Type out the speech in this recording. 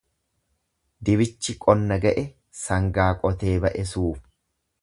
Dibichi qonna ga'e sangaa qotee ba'e suufa.